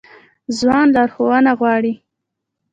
ځوان لارښوونه غواړي